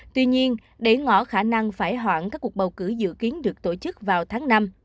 tuy nhiên để ngỏ khả năng phải hoãn các cuộc bầu cử dự kiến được tổ chức vào tháng năm